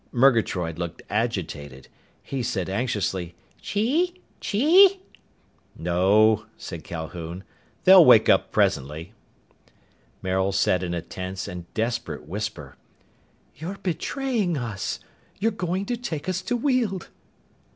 Murgatroyd looked agitated. He said anxiously, "Chee? Chee?" "No," said Calhoun. "They'll wake up presently." Maril said in a tense and desperate whisper, "You're betraying us! You're going to take us to Weald!"